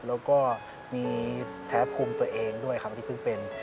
แล้วก็มีแพ้ภูมิตัวเองด้วยครับที่เพิ่งเป็น